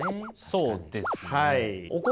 そうですね。